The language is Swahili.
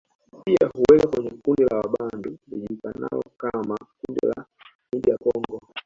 Pia huwekwa kwenye kundi la Wabantu lijulikanalo kama kundi la Niger Congo